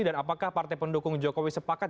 dan apakah partai pendukung jokowi sepakat